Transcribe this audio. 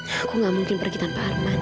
aku gak mungkin pergi tanpa arman